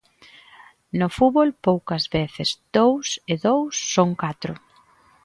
No fútbol poucas veces dous e dous son catro.